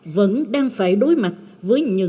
vẫn đang phải đối mặt với những nguyên liệu